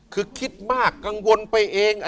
คือคิดมากกังวลไปเอง